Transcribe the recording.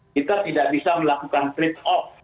kita tidak bisa melakukan treat off